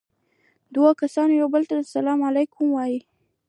دوه کسان يو بل ته دې سلام عليکم ووايي.